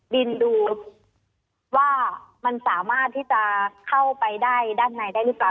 บินดูว่ามันสามารถที่จะเข้าไปได้ด้านในได้หรือเปล่า